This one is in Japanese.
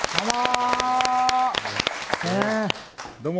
どうも。